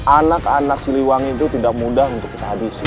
anak anak siliwangi itu tidak mudah untuk kita habisi